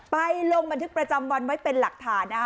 ลงบันทึกประจำวันไว้เป็นหลักฐานนะคะ